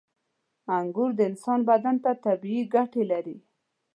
• انګور د انسان بدن ته طبیعي ګټې لري.